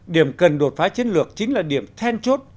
điểm cần đột phá chiến lược chính là điểm then chốt